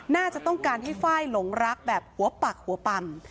น่าจะต้องการให้ไฟล์หลงรักแบบหัวปักหัวปำ